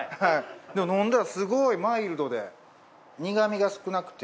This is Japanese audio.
でも飲んだらすごいマイルドで苦みが少なくて。